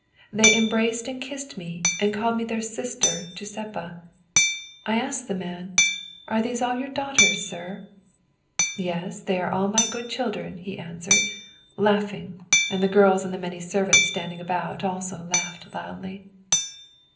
They em braced and kissed me, and called me their sister Giuseppa. I asked the man, ' Are these all your daughters, sir ?'' Yes, they are all my good children/ he answered, laughing, and the girls and the many servants standing about also laughed loudly.